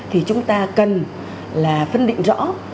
thì chúng ta cần là phân định rõ